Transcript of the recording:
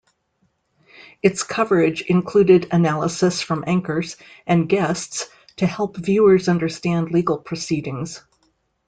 Its coverage included analysis from anchors and guests to help viewers understand legal proceedings.